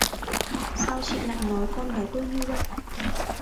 Sao chị lại nói con gái tôi như vậy